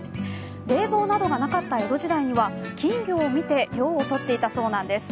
冷房などがなかった江戸時代には金魚を見て涼を取っていたそうなんです。